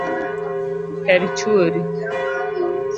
Her chuori